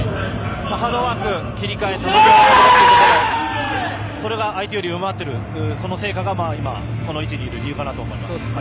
ハードワーク切り替えというところもそれが相手より上回っているその成果が今、この位置にいる理由かなと思います。